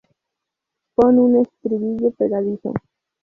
pon un estribillo pegadizo